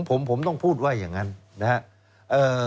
ผมต้องพูดว่าอย่างนั้นนะครับ